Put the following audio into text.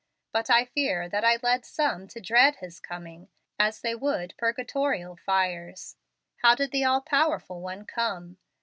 But I fear that I led some to dread His coming, as they would purgatorial fires. How did the All powerful One come?